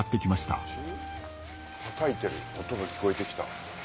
たたいてる音が聞こえてきた。